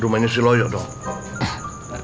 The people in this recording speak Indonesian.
rumahnya si loyo dong